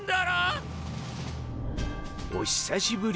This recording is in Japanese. お久しぶり。